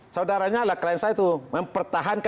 nah saudara nyala kalian saja tuh memperhatikan itu